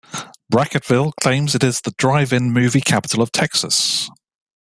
Brackettville claims it is the drive-in movie capital of Texas.